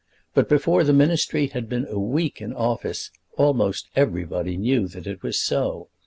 But before the Ministry had been a week in office almost everybody knew that it was so.